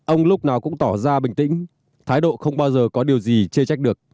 ông lúc nào cũng tỏ ra bình tĩnh thái độ không bao giờ có điều gì chê trách được